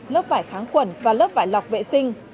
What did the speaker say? lớp vải kháng khuẩn và lớp vải lọc vệ sinh